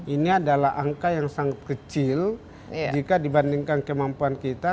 ini adalah angka yang sangat kecil jika dibandingkan kemampuan kita